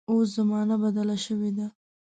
اوس زمانه بدله شوې ده.